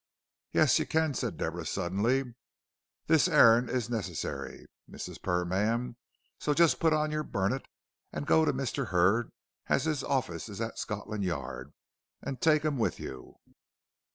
"Yuss y' can," said Deborah, suddenly; "this erringd is ness'ary, Mrs. Purr ma'am, so jes' put on your bunnet, an' go to Mr. Hurd as 'as 'is orfice at Scotlan' Yard, and take 'im with you."